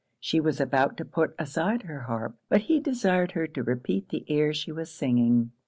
She was about to put aside her harp, but he desired her to repeat the air she was singing.